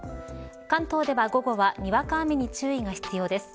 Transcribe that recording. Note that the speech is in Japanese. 関東では午後はにわか雨に注意が必要です。